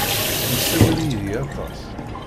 Yessawal yid-i aṭas.